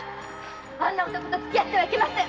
あんな男とは付合ってはいけません！